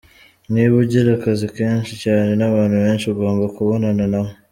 Niba ugira akazi kenshi cyane n’abantu benshi ugomba kubonana nabo.